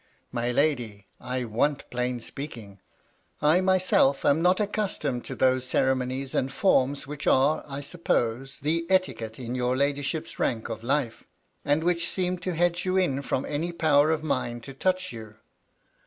" My lady, I want plain speaking. I myself am not accustomed to those ceremonies and forms which arcy I suppose, the etiquette m your ladyship's rank of life, and which seem to hedge you in from any power of mine to touch you.